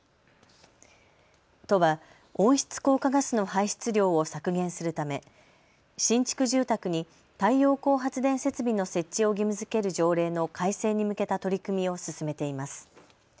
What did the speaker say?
都は温室効果ガスの排出量を削減するため新築住宅に太陽光発電設備の設置を義務づける条例の改正に向けた取り組みを進めています。